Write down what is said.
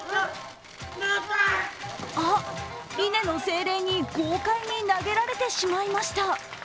あっ、稲の精霊に豪快に投げられてしまいました。